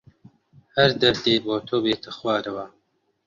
هەر دەردێ بۆ تۆ بێتە خوارەوە